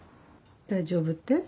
大丈夫って？